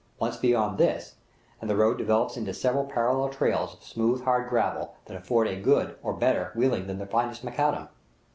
Once beyond this, and the road develops into several parallel trails of smooth, hard gravel, that afford as good, or better, wheeling than the finest macadam.